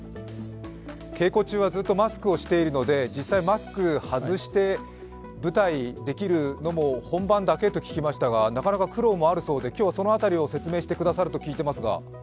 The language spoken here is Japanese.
稽古中はずっとマスクをしているので、実際はマスクを外して舞台できるのも本番だけと聞きましたがなかなか苦労もあるそうで、今日はその辺りを説明してくださると聞いていますが。